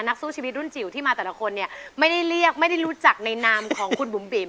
นักสู้ชีวิตรุ่นจิ๋วที่มาแต่ละคนเนี่ยไม่ได้เรียกไม่ได้รู้จักในนามของคุณบุ๋มบิ๋ม